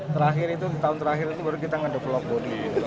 jadi tahun terakhir itu baru kita nge develop body